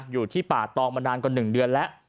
อยู่ที่ป่าตองมานานกว่า๑เดือนแล้ว